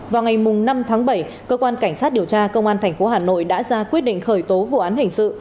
vào ngày năm tháng bảy cơ quan cảnh sát điều tra công an tp hà nội đã ra quyết định khởi tố vụ án hình sự